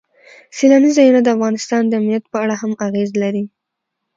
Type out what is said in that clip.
سیلانی ځایونه د افغانستان د امنیت په اړه هم اغېز لري.